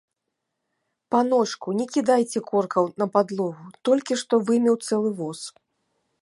Паночку, не кідайце коркаў на падлогу, толькі што вымеў цэлы воз.